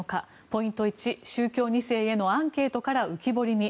ポイント１宗教２世へのアンケートから浮き彫りに。